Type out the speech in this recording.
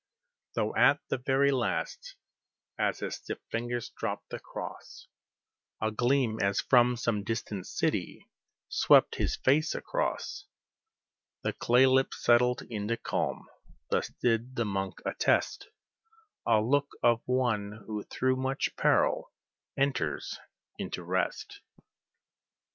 Though at the very last, as his stiff fingers dropped the cross, A gleam as from some distant city swept his face across, The clay lips settled into calm thus did the monk attest, A look of one who through much peril enters into rest.